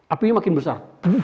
apinya makin besar